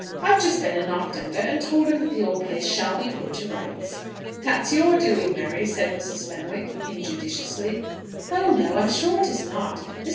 "I've just been and knocked under, and told him that the old place shall be put to rights." "That's your doing, Mary," said Mrs. Fenwick, injudiciously. "Oh, no; I'm sure it is not. Mr.